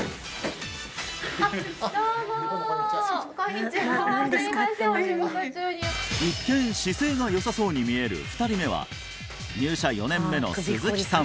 どうもこんにちはすいませんお仕事中に一見姿勢が良さそうに見える２人目は入社４年目の鈴木さん